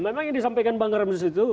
memang yang disampaikan bang ramsus itu